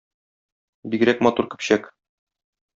Бигрәк матур көпчәк!